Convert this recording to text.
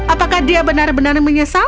apakah dia benar benar menyesal